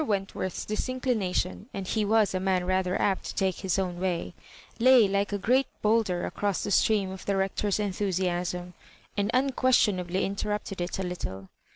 Wentworth's disinclination (and he was a man rather apt to take his own way) lay like a great boulder across the stream of the Rector's enthusiasm, and unquestionably interrupted it a little.